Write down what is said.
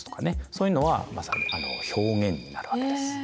そういうのはまさに「表現」になるわけです。